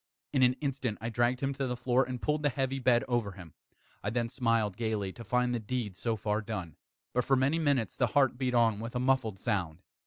In an instant I dragged him to the floor, and pulled the heavy bed over him. I then smiled gaily, to find the deed so far done. But, for many minutes, the heart beat on with a muffled sound.